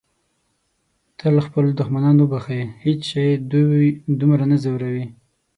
تل خپل دښمنان وبښئ. هیڅ شی دوی دومره نه ځوروي.